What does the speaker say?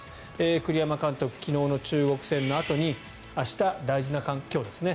栗山監督、昨日の中国戦のあとに明日、今日ですね